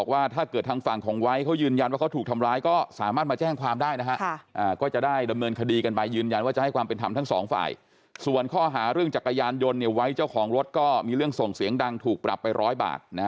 ก็ยังยืนยันว่าตำรวจไม่ได้ทำร้ายนะครับ